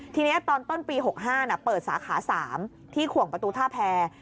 ทีนี้ตอนต้นปี๖๕เปิดสาขา๓ที่ขวงประตูท่าแพร